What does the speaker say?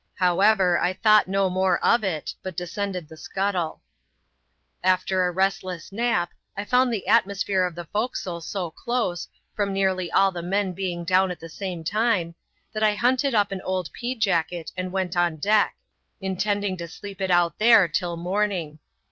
However, I thought no more of it, but descended the scuttle. After a restless nap, I found the atmosphere of the forecastle BO dose, from nearly all the men being down at the same time, that I hunted up an old pea jacket and went on ^e^% yoX^ti^^^^ to sleep it out there till morning.